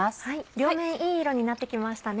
両面いい色になって来ましたね。